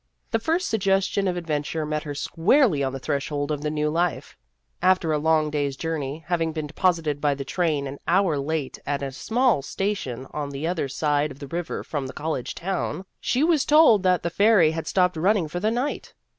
The first suggestion of adventure met her squarely on the threshold of the new life. After a long day's journey, having been deposited by the train an hour late at a small station on the other side of the river from the college town, she was told that the ferry had stopped running for the night.